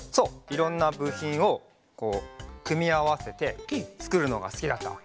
いろんなぶひんをこうくみあわせてつくるのがすきだった。